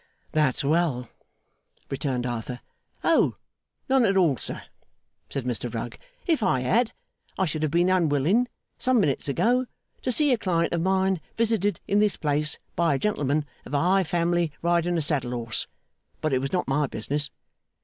'That's well,' returned Arthur. 'Oh! None at all, sir!' said Mr Rugg. 'If I had, I should have been unwilling, some minutes ago, to see a client of mine visited in this place by a gentleman of a high family riding a saddle horse. But it was not my business.